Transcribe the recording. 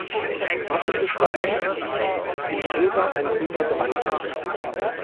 Wappenbeschreibung: In Silber ein grüner Dreiberg.